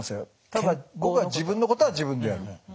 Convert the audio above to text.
ただ僕は自分のことは自分でやる。